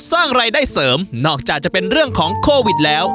สร้างรายได้เสริมนอกจากจะเป็นเรื่องของโควิดแล้ว